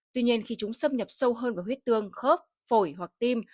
tuy nhiên khi chúng xâm nhập sâu hơn vào huyết tương khớp phổi hoặc tim